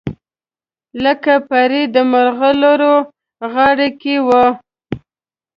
لکه پرې د مرغلرو غاړګۍ وه